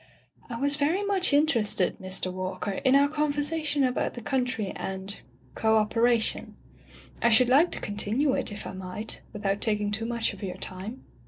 *'I was very much interested, Mr. Walker, in our conversation about the country and — co operation. I should like to continue it, if I might, without taking too much of your time.'